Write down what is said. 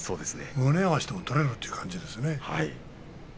胸を合わせても取れるという感じですね。